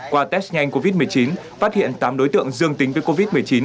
qua test nhanh covid một mươi chín phát hiện tám đối tượng dương tính với covid một mươi chín